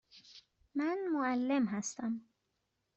من معلم هستم.